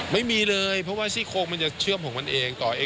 ไม่มีเลยเพราะว่าซี่โคกมันจะเชื่อมของมันเองต่อเอง